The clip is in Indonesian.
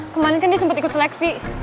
kemarin kan dia sempat ikut seleksi